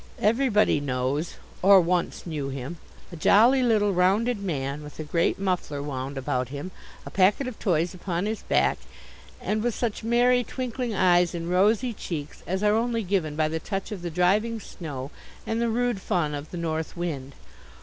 Everybody knows, or once knew him a jolly little rounded man, with a great muffler wound about him, a packet of toys upon his back and with such merry, twinkling eyes and rosy cheeks as are only given by the touch of the driving snow and the rude fun of the North Wind.